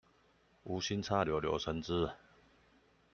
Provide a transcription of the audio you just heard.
無心插柳柳橙汁